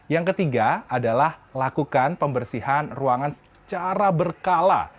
yang ketiga adalah lakukan pembersihan ruangan secara berkala